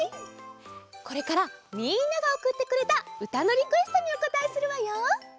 これからみんながおくってくれたうたのリクエストにおこたえするわよ。